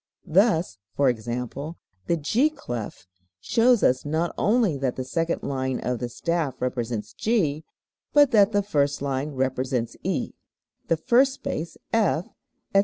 Thus, e.g., the G clef shows us not only that the second line of the staff represents G, but that the first line represents E, the first space F, etc.